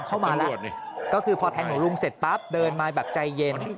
เข้ามาแล้วก็คือพอแทงหนูลุงเสร็จปั๊บเดินมาแบบใจเย็น